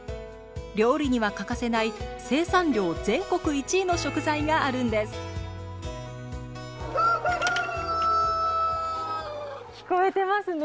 料理には欠かせない生産量全国１位の食材があるんです聞こえてますね。